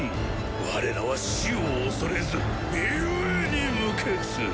我らは死を恐れず故に無欠。